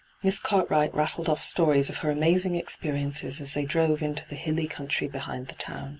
Miss Cart wright rattled off stories of her amazing experiences as they drove into the hilly country behind the town.